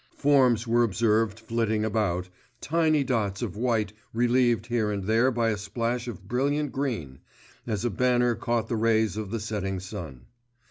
Forms were observed flitting about, tiny dots of white relieved here and there by a splash of brilliant green, as a banner caught the rays of the setting sun.